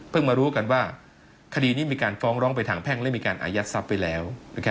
มารู้กันว่าคดีนี้มีการฟ้องร้องไปทางแพ่งและมีการอายัดทรัพย์ไปแล้ว